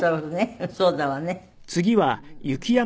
そうだわね。